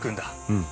うん。